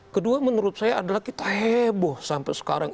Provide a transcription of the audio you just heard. kedua menurut saya adalah kita heboh sampai sekarang